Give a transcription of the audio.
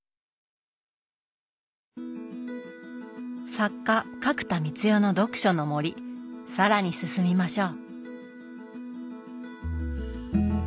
作家角田光代の読書の森更に進みましょう！